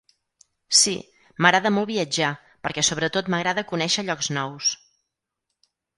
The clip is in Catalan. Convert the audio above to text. Sí. M'agrada molt viatjar, perquè sobretot m'agrada conèixer llocs nous.